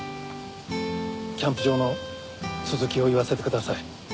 キャンプ場の続きを言わせてください。